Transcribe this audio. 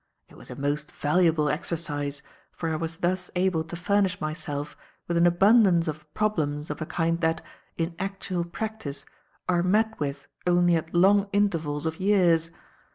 It was a most valuable exercise, for I was thus able to furnish myself with an abundance of problems of a kind that, in actual practice, are met with only at long intervals of years.